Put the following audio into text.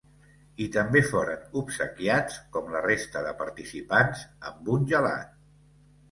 I també foren obsequiats, com la resta de participants, amb un gelat.